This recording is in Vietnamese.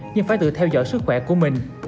nhưng phải tự theo dõi sức khỏe của mình